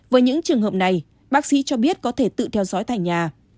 với những trường hợp này bác sĩ cho biết có thể tự theo dõi tại nhà